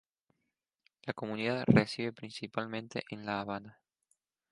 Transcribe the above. La comunidad reside principalmente en La Habana.